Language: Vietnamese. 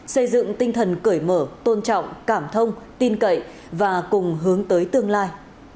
xây dựng tinh thần cởi mở tôn trọng cảm thông tin cậy và cùng hướng tới tương lai